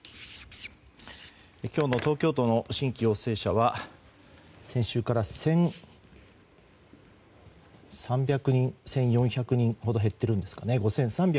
今日の東京都の新規陽性者は先週から１４００人ほど減ってるんですかね。